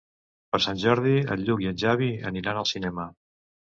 Per Sant Jordi en Lluc i en Xavi aniran al cinema.